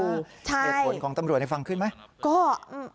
เหตุผลของตำรวจให้ฟังขึ้นไหม